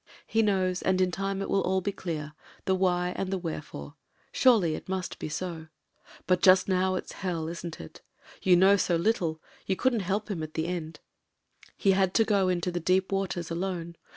He knows, and in time it will all be clear — ^the why and the where Fore. Surely it must be so. But just now it's Hell, isn't it? You know so little : ^ou couldn't help him at the end ; he had to go into 304 MEN, WOMEN AND GUNS the Deep Waters alone.